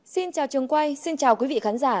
xin chào trường quay xin chào quý vị khán giả